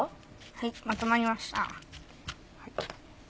はいまとまりました。